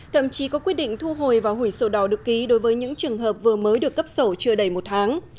thậm chí có quyết định thu hồi và hủy sổ đỏ được ký đối với những trường hợp vừa mới được cấp sổ chưa đầy một tháng